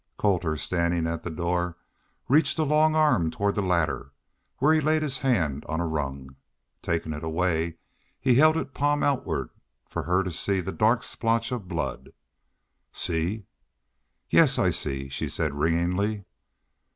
Colter, standing at the door, reached a long arm toward the ladder, where he laid his hand on a rung. Taking it away he held it palm outward for her to see the dark splotch of blood. "See?" "Yes, I see," she said, ringingly.